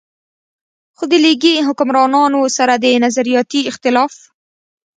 خو د ليګي حکمرانانو سره د نظرياتي اختلاف